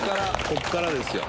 ここからですよ。